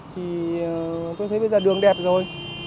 thì tôi thấy bây giờ đường đẹp rồi